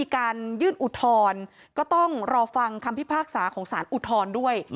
การยื่นอุทธรณ์ก็ต้องรอฟังคำพิพากษาของสารอุทธรณ์ด้วย